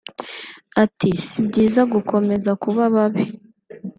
Ati “Si byiza gukomeza kuba babi